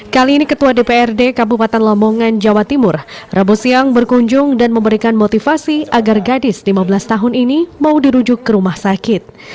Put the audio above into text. kali ini ketua dprd kabupaten lamongan jawa timur rabu siang berkunjung dan memberikan motivasi agar gadis lima belas tahun ini mau dirujuk ke rumah sakit